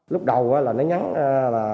lúc đầu là nó nhắn là